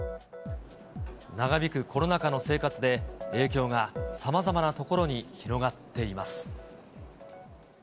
長引くコロナ禍の生活で影響がさまざまな所に広がっています。